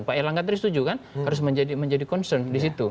pak erlangga tersetuju kan harus menjadi concern disitu